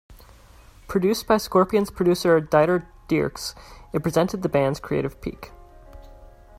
Produced by Scorpions producer Dieter Dierks, it presented the band's creative peak.